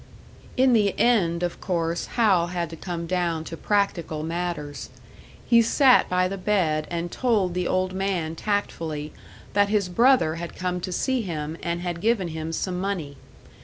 In the end, of course, Hal had to come down to practical matters. He sat by the bed and told the old man tactfully that his brother had come to see him and had given him some money.